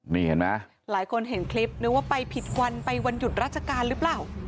นี่เห็นไหมหลายคนเห็นคลิปนึกว่าไปผิดวันไปวันหยุดราชการหรือเปล่า